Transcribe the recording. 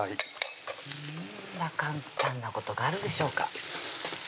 こんな簡単なことがあるでしょうか？